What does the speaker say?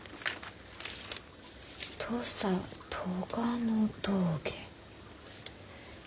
「土佐斗賀野峠」。